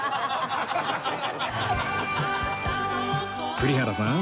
栗原さん